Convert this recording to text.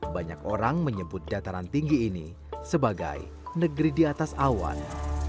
banyak orang menyebut dataran tinggi ini sebagai negeri di atas awan